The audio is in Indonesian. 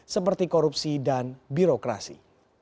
seperti korupsi dan birokrasi